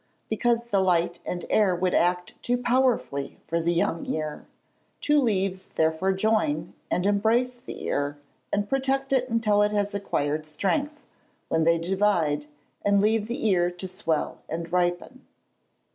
_ Because the light and air would act too powerfully for the young ear; two leaves therefore join, and embrace the ear, and protect it until it has acquired strength, when they divide, and leave the ear to swell and ripen.